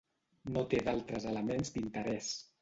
No té d'altres elements d'interès.